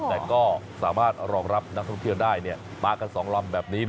แต่ก็สามารถรองรับนักท่องเที่ยวได้มากัน๒ลำแบบนี้